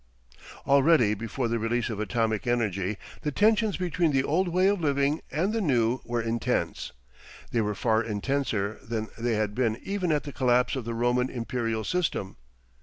Already before the release of atomic energy the tensions between the old way of living and the new were intense. They were far intenser than they had been even at the collapse of the Roman imperial system.